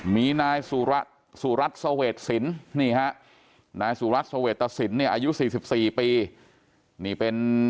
มีนายสุรัสสุรัสสเวตสินนี่นะสุรัสสเวตสินอายุ๔๔ปีนี่เป็น